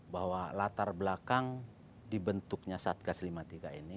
bahwa latar belakang dibentuknya satgas lima puluh tiga ini